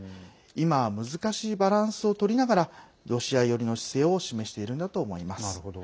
今は難しいバランスをとりながらロシア寄りの姿勢を示しているんだと思います。